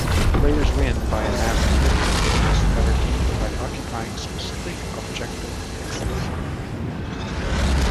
Players win by amassing victory points that are gained by occupying specific objective hexes.